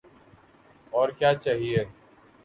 اور کیا چاہیے؟